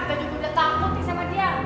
atau juga udah takut nih sama dia